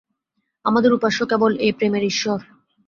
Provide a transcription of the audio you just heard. আমাদের উপাস্য কেবল এই প্রেমের ঈশ্বর।